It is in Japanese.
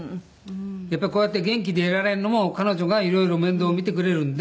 やっぱりこうやって元気でいられるのも彼女がいろいろ面倒を見てくれるんで。